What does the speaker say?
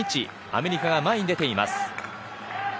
アメリカが前に出ています。